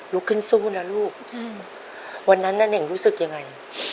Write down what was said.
ลุกขึ้นสู้นะลูกใช่วันนั้นน่ะเน่งรู้สึกยังไง